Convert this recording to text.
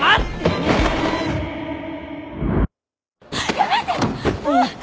やめて。